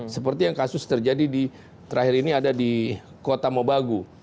seperti yang kasus terjadi di terakhir ini ada di kota mobagu